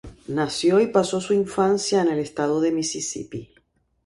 Nació y pasó su infancia en el Estado de Misisipi.